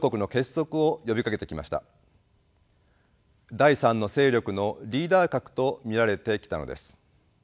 第３の勢力のリーダー格と見られてきたのです。